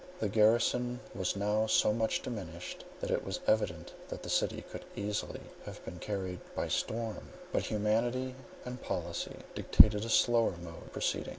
The garrison was now so much diminished, that it was evident that the city could easily have been carried by storm; but both humanity and policy dictated a slower mode of proceeding.